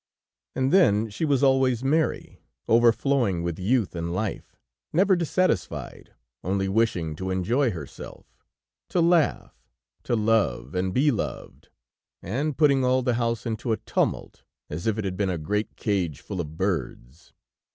And then she was always merry, overflowing with youth and life, never dissatisfied, only wishing to enjoy herself, to laugh, to love and be loved, and putting all the house into a tumult, as if it had been a great cage full of birds.